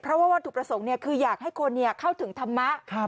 เพราะว่าวัตถุประสงค์คืออยากให้คนเข้าถึงธรรมะ